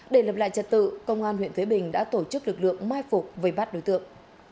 để lập lại trật tự công an huyện thới bình đã tổ chức lực lượng mai phục về bắt đối tượng